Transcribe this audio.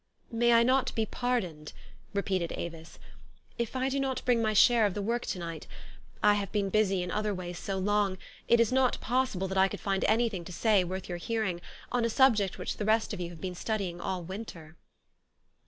"May I not be pardoned," repeated Avis, " if I do not bring my share of the work to night? I have been busy in other ways so long, it is not pos sible that I could find an3 r thing to say worth your hearing, on a subject which the rest of you have been stucVpng all winter."